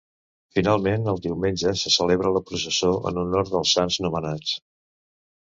Finalment, el diumenge se celebra la processó en honor dels sants nomenats.